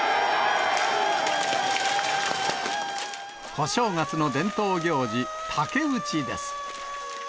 小正月の伝統行事、竹うちです。